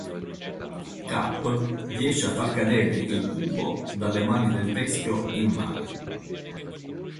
Cap riesce a far cadere il Cubo dalle mani del Teschio in mare.